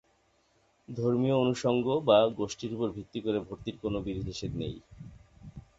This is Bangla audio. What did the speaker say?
ধর্মীয় অনুষঙ্গ বা গোষ্ঠীর উপর ভিত্তি করে ভর্তির কোনও বিধিনিষেধ নেই।